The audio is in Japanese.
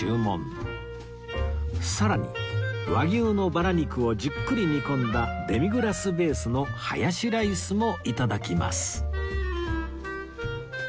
さらに和牛のバラ肉をじっくり煮込んだデミグラスベースのハヤシライスもいただきます